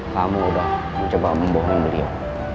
kamu udah mencoba membohong beliau